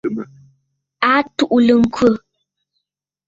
A tuʼulə ŋkhə.